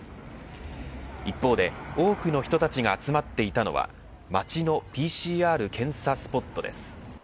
一方で多くの人たちが集まっていたのは街のＰＣＲ検査スポットです。